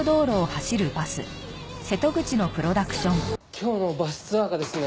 今日のバスツアーがですね